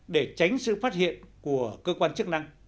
để tránh sự phát hiện của cơ quan chức năng